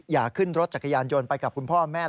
อย่าขึ้นรถจักรยานยนต์ไปกับคุณพ่อแม่